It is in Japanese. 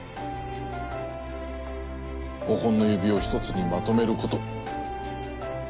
５本の指を１つにまとめること。